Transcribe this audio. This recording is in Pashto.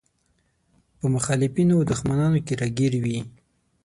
په مخالفينو او دښمنانو کې راګير وي.